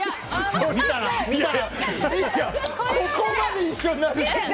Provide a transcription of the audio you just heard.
ここまで一緒になるって。